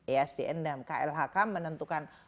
esdn dan klhk menentukan